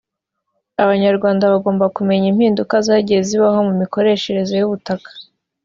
Abanyarwanda bagomba kumenya impinduka zagiye zibaho mu mikoreshereze y’ubutaka